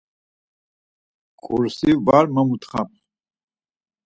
Kursi var movuntxam.